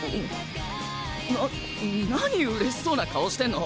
な何うれしそうな顔してんの？